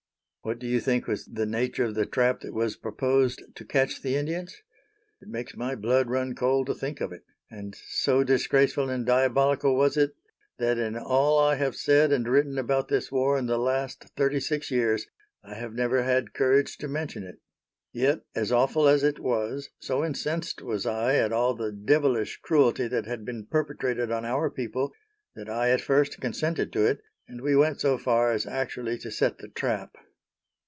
What do you think was the nature of the trap that was proposed to catch the Indians? It makes my blood run cold to think of it, and so disgraceful and diabolical was it that, in all I have said and written about this war in the last thirty six years, I have never had courage to mention it. Yet as awful as it was, so incensed was I at all the devilish cruelty that had been perpetrated on our people that I at first consented to it, and we went so far as actually to set the trap.